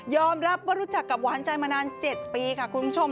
รับว่ารู้จักกับหวานใจมานาน๗ปีค่ะคุณผู้ชม